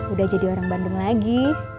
udah jadi orang bandung lagi